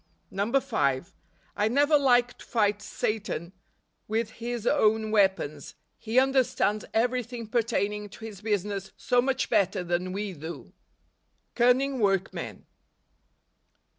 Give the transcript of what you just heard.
5. I never like to fight Satan with his own weapons, lie understands everything pertaining to his business so much better than we do. Canning Workmen.